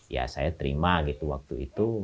ya saya terima gitu waktu itu